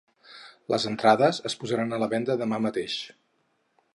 Les entrades es posaran a la venda demà mateix.